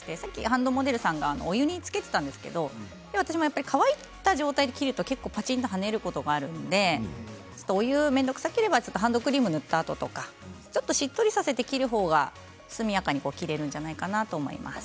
ハンドモデルさんがお湯につけていましたが乾いた状態で切ると結構パチンと跳ねることがありますのでお湯が面倒くさければハンドクリームを塗ったあととかしっとりさせてから切る方が速やかに切れるんじゃないかと思います。